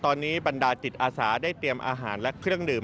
ตอนนี้บรรดาจิตอาสาได้เตรียมอาหารและเครื่องดื่ม